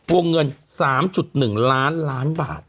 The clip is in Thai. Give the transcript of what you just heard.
วงเงิน๓๑ล้านบาท